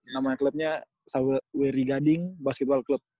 namanya clubnya saweri gading basketball club